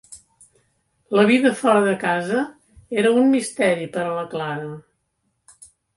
La vida fora de casa era un misteri per a la Clara.